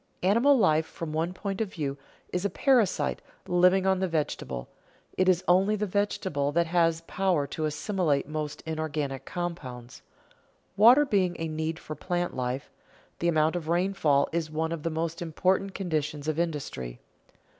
Animal life from one point of view is a parasite, living on the vegetable; it is only the vegetable that has power to assimilate most inorganic compounds. Water being a need of plant life, the amount of rainfall is one of the most important conditions of industry.